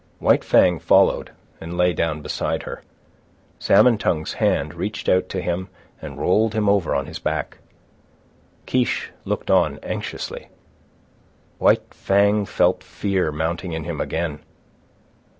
White Fang followed and lay down beside her. Salmon Tongue's hand reached out to him and rolled him over on his back. Kiche looked on anxiously. White Fang felt fear mounting in him again.